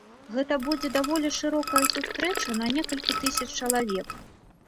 Гэта будзе даволі шырокая сустрэча на некалькі тысяч чалавек.